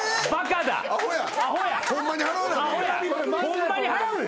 ホンマに払わな。